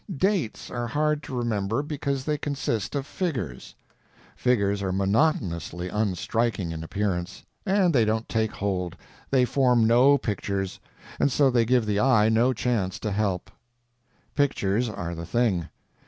Dates are hard to remember because they consist of figures; figures are monotonously unstriking in appearance, and they don't take hold, they form no pictures, and so they give the eye no chance to help. Pictures are the thing.